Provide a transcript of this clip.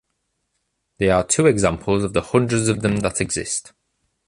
They are two examples of the hundreds of them that exist.